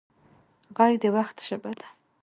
غږ د وخت ژبه ده